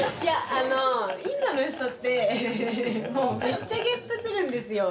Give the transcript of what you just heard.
あのインドの人ってもうめっちゃゲップするんですよ